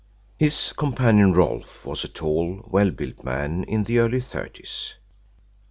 His companion, Rolfe, was a tall well built man in the early thirties.